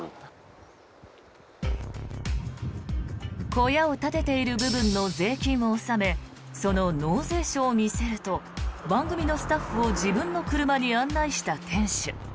小屋を建てている部分の税金を納めその納税書を見せると番組のスタッフを自分の車に案内した店主。